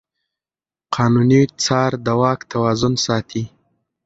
قانوني څار د واک توازن ساتي.